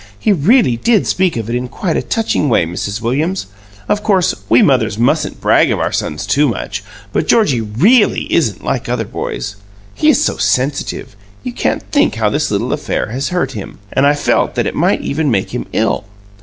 He really did speak of it in quite a touching way, Mrs. Williams. Of course, we mothers mustn't brag of our sons too much, but Georgie REALLY isn't like other boys. He is so sensitive, you can't think how this little affair has hurt him, and I felt that it might even make him ill.